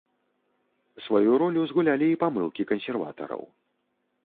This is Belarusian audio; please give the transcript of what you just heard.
Сваю ролю згулялі і памылкі кансерватараў.